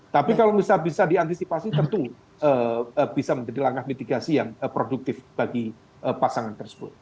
tapi kalau misal bisa diantisipasi tentu bisa menjadi langkah mitigasi yang produktif bagi pasangan tersebut